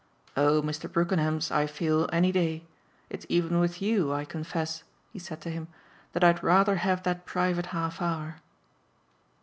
"Oh Mr. Brookenham's, I feel, any day. It's even with YOU, I confess," he said to him, "that I'd rather have that private half hour."